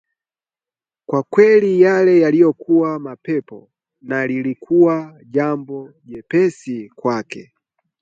Kwake, yale yalikuwa mapepo na lilikuwa jambo jepesi kwake